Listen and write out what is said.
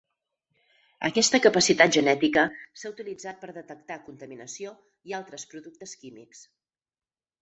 Aquesta capacitat genètica s'ha utilitzat per detectar contaminació i altres productes químics.